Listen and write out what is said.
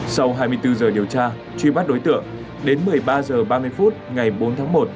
sau hai mươi bốn giờ điều tra truy bắt đối tượng đến một mươi ba h ba mươi phút ngày bốn tháng một